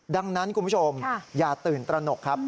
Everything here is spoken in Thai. ดังนั้นคุณผู้ชมอย่าตื่นตระหนกครับ